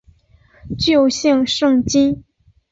旧姓胜津。